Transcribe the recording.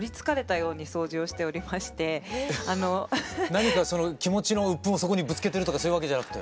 何かその気持ちの鬱憤をそこにぶつけてるとかそういうわけじゃなくて。